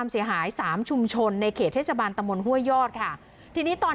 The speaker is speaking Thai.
มีประชาชนในพื้นที่เขาถ่ายคลิปเอาไว้ได้ค่ะ